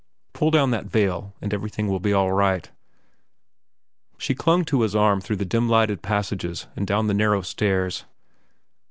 Pull down that veil and everything will be all right." She clung to his arm through the dim lighted passages and down the narrow stairs.